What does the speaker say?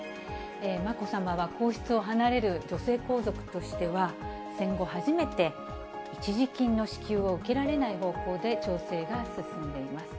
まこさまは皇室を離れる女性皇族としては、戦後初めて、一時金の支給を受けられない方向で調整が進んでいます。